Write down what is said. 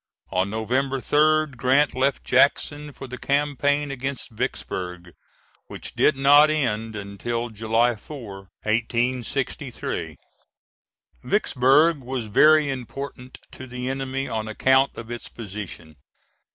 On November 3d, Grant left Jackson for the campaign against Vicksburg, which did not end until July 4, 1863. Vicksburg was very important to the enemy on account of its position.